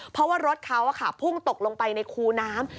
เพราะว่ารถเขาพุ่งตกลงไปในคูน้ำ